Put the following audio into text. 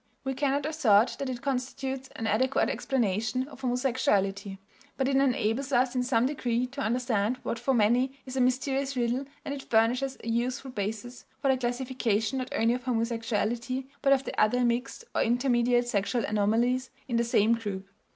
We cannot assert that it constitutes an adequate explanation of homosexuality, but it enables us in some degree to understand what for many is a mysterious riddle, and it furnishes a useful basis for the classification not only of homosexuality, but of the other mixed or intermediate sexual anomalies in the same group.